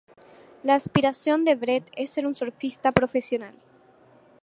La aspiración de Brett es ser un surfista profesional.